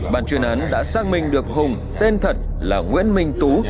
bàn chuyên án đã xác minh được hùng tên thật là nguyễn minh tú